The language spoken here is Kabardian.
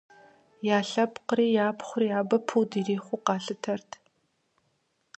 Я лъэпкъри япхъури абы пуд ирихъуу къалъытэрт.